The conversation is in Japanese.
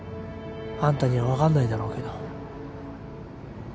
あんたには分かんないだろうけど。